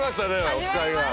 『おつかい』が。